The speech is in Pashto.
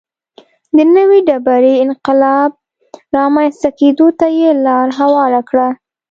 د نوې ډبرې انقلاب رامنځته کېدو ته یې لار هواره کړه.